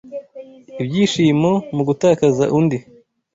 ibyishimo mu gutakaza undi